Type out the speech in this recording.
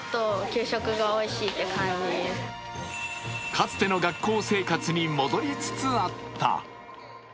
かつての学校生活に戻りつつあった。